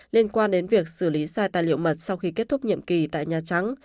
liên quan đến việc xử lý sai tài liệu mật sau khi kết thúc nhiệm kỳ tại nhà trắng